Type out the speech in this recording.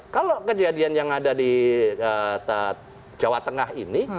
kalau kejadian yang ada di jawa tengah ini